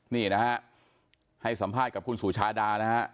นี่นะฮะให้สัมภาษณ์กับคุณสุชาดานะฮะ